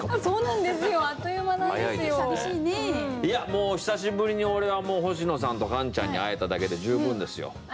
もう久しぶりに俺は星野さんとカンちゃんに会えただけで十分ですよ。